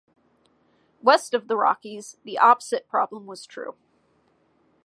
West of the Rockies, the opposite problem was true.